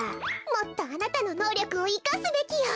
もっとあなたののうりょくをいかすべきよ。